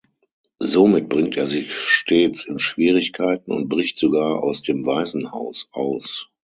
Somit bringt er sich stets in Schwierigkeiten und bricht sogar aus dem Waisenhaus aus.